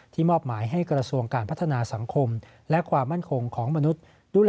มอบหมายให้กระทรวงการพัฒนาสังคมและความมั่นคงของมนุษย์